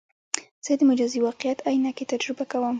زه د مجازي واقعیت عینکې تجربه کوم.